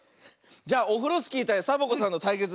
じゃあオフロスキーたいサボ子さんのたいけつ。